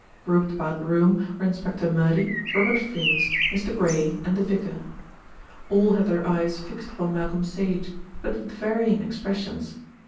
Grouped about the room were Inspector Murdy, Robert Freynes, Mr. Gray, and the vicar. All had their eyes fixed upon Malcolm Sage; but with varying expressions.